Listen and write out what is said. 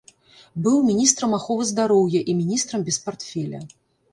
Быў міністрам аховы здароўя і міністрам без партфеля.